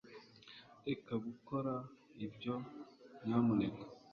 reka gukora ibyo, nyamuneka